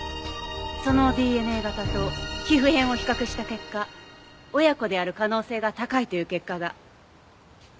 そのＤＮＡ型と皮膚片を比較した結果親子である可能性が高いという結果が。